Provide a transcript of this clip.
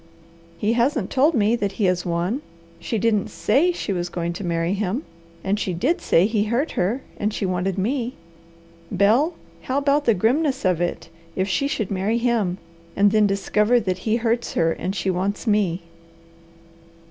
He hasn't told me that he has won. She didn't SAY she was going to marry him, and she did say he hurt her, and she wanted me. Bel, how about the grimness of it, if she should marry him and then discover that he hurts her, and she wants me.